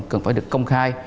cần phải được công khai